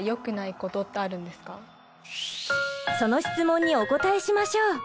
その質問にお答えしましょう。